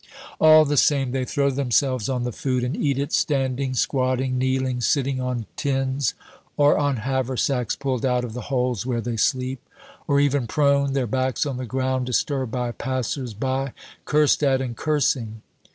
All the same, they throw themselves on the food, and eat it standing, squatting, kneeling, sitting on tins, or on haversacks pulled out of the holes where they sleep or even prone, their backs on the ground, disturbed by passers by, cursed at and cursing.